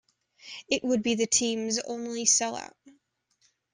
It would be the team's only sellout.